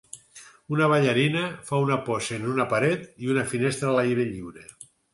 Una ballarina fa una pose en una paret i una finestra a l'aire lliure.